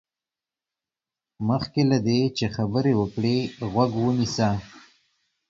مخکې له دې چې خبرې وکړې، غوږ ونيسه.